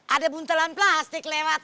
ada buntalan plastik lewat